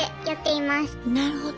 なるほど。